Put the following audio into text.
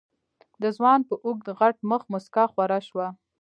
د ځوان په اوږد غټ مخ موسکا خوره شوه.